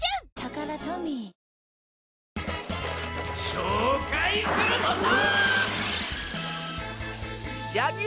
紹介するのさ！